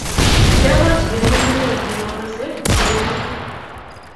kyakochige mugulel kingagase tyenwogik